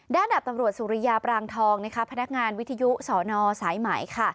ดับตำรวจสุริยาปรางทองพนักงานวิทยุสนสายไหมค่ะ